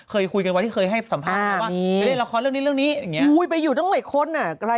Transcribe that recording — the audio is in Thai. คอยคุยกันว่าที่เคยให้สัมภาษณ์